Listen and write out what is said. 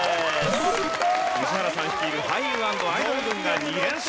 宇治原さん率いる俳優＆アイドル軍が２連勝！